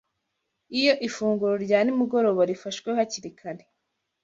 Iyo ifunguro rya nimugoroba rifashwe hakiri kare